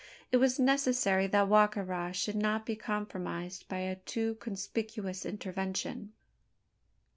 It was necessary that Wa ka ra should not be compromised by a too conspicuous "intervention."